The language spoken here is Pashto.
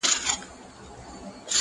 د سړي د کور په خوا کي یو لوی غار وو,